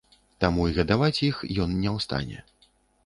Таму і гадаваць іх ён не ў стане.